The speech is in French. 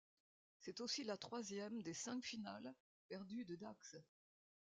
C’est aussi la troisième des cinq finales perdues de Dax.